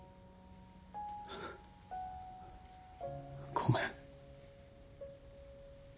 ごめん。